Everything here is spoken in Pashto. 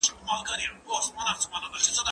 زه به سبا د کتابتوننۍ سره خبري وکړم؟